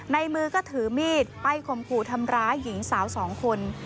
ในมือก็ถือมีดไปข่มขู่ทำร้ายหญิงสาวสองคน